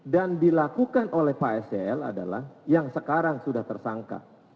dan dilakukan oleh pak sel adalah yang sekarang sudah tersangka